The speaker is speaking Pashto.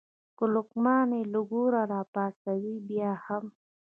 که لقمان یې له ګوره راپاڅوې بیا هم.